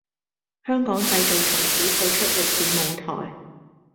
香港製造從此退出歷史舞台